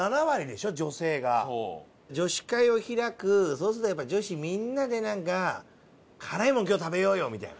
そうするとやっぱ女子みんなでなんか「辛いもの今日食べようよ」みたいな。